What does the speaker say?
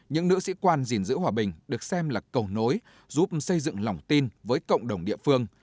những nữ sĩ quan gìn giữ hòa bình được xem là cầu nối giúp xây dựng lòng tin với cộng đồng địa phương